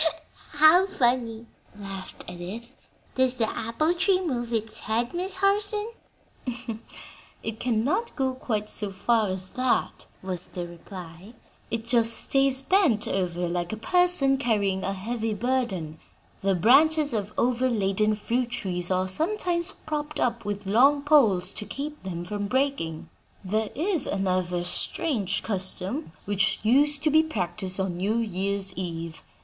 '" "How funny!" laughed Edith. "Does the apple tree move its head, Miss Harson?" "It cannot go quite so far as that," was the reply; "it just stays bent over like a person carrying a heavy burden. The branches of overladen fruit trees are sometimes propped up with long poles to keep them from breaking. There is another strange custom, which used to be practiced on New Year's eve.